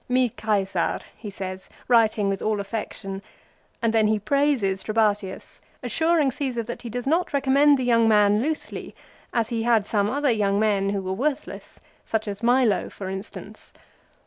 " Mi Caesar," he says, writing with all affection ; and then he praises Tlebatius, assuring Caesar that he does not recommend the young man loosely, as he had some other young men who were worthless, such as Milo, for instance.